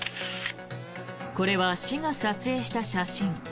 これは市が撮影した写真。